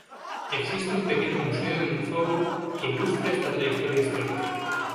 Existe un pequeño museo en Fogo que ilustra esta trayectoria histórica.